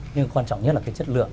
nhưng quan trọng nhất là cái chất lượng